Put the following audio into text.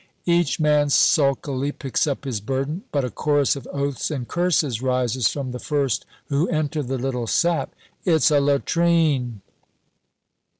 Each man sulkily picks up his burden. But a chorus of oaths and curses rises from the first who enter the little sap: "It's a latrine!"